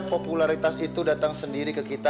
popularitas itu datang sendiri ke kita